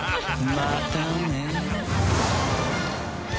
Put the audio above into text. またね。